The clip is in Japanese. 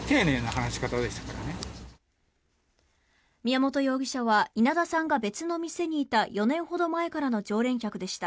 宮本容疑者は稲田さんが別の店にいた４年ほど前からの常連客でした。